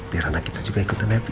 biar anak kita juga ikutan happy